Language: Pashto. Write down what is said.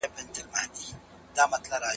يو د بل حساسيتونه معلوم کړي.